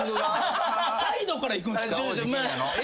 サイドからいくんすか？